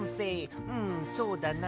んそうだな。